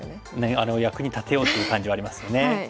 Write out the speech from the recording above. あれを役に立てようという感じはありますよね。